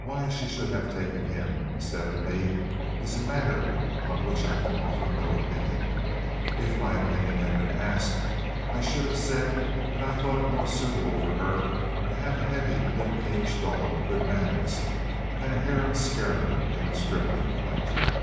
Why she should have taken him instead of me is a matter on which I can offer no opinion. If my opinion had been asked, I should have said that I thought it more suitable for her to have a heavy middle aged dog of good manners than a harum scarum young stripling like Trap.